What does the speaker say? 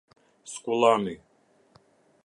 Skullani